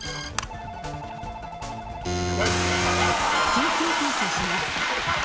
緊急停車します。